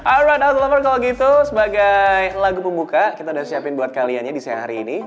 iron of lover kalau gitu sebagai lagu pembuka kita udah siapin buat kalian ya di siang hari ini